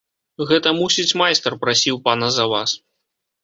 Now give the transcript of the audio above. Гэта, мусіць, майстар прасіў пана за вас.